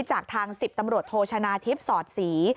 จากทาง๑๐ตำรวจโทชนะทิพย์สอดศรี